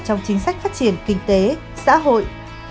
trong chính sách phát triển kinh tế xã hội